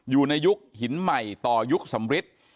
อยู่ในยุคหินใหม่ต่อยุคสำริท